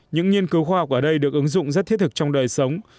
những nghiên cứu khoa học ở đây được ứng dụng rất thiết thực trong đời sống